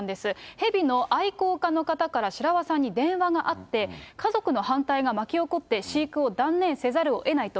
ヘビの愛好家の方から白輪さんに電話があって、家族の反対が巻き起こって、飼育を断念せざるをえないと。